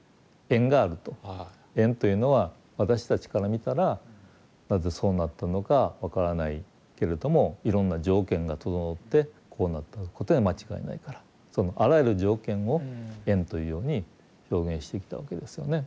縁というのは私たちから見たらなぜそうなったのか分からないけれどもいろんな条件が整ってこうなったことには間違いないからそのあらゆる条件を縁というように表現してきたわけですよね。